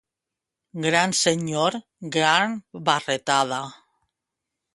Gran senyor, gran barretada.